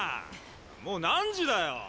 もう何時だよ！？